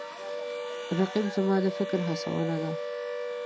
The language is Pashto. رقیب زما د فکر هڅونه ده